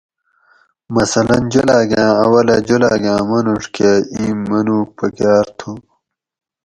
مثلاً جولاۤگاۤں اولہ جولاگاں مانوڄ کہ ایں منوگ پکاۤر تُھو